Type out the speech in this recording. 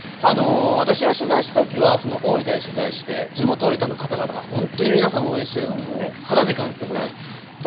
私が取材したときは大分で取材して地元・大分の方々が皆さん、応援しているのを肌で感じました。